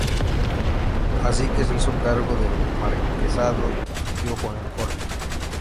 Así que se hizo cargo del marquesado su tío Juan Jorge.